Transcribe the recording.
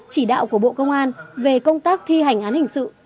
chỉ đạo của bộ công an về công tác thi hành án hình sự